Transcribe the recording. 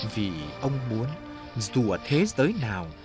vì ông muốn dù thế giới nào